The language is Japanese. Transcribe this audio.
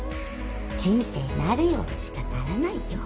人生なるようにしかならないよ。